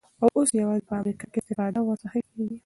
او اوس یوازی په امریکا کي استفاده ورڅخه کیږی